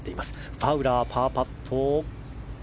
ファウラー、パーパット。